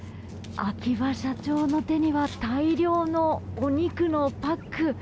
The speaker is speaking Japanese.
秋葉社長の手には大量のお肉のパック。